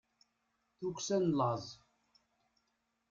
tukksa n laẓ